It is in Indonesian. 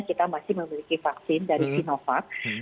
kita masih memiliki vaksin dari sinovac